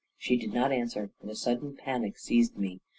She did not answer, and a sudden panic seized me.